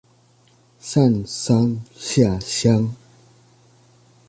上山下鄉